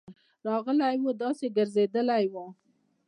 راغلی وو، داسي ګرځيدلی وو: